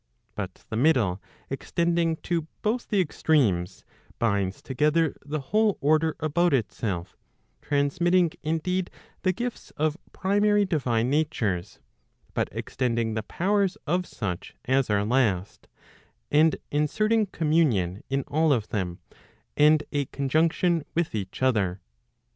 But the middle extending to both the extremes, binds together the whole order about itself; transmitting indeed, the gifts of primary divine natures, but extending the powers of such as are last, and inserting communion in all of them, and a conjunction with each other.